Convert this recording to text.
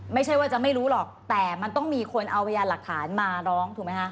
ไม่ใช่ว่าจะไม่รู้หรอกแต่มันต้องมีคนเอาพยานหลักฐานมาร้องถูกไหมคะ